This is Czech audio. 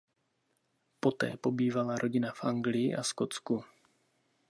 Poté pobývala rodina v Anglii a Skotsku.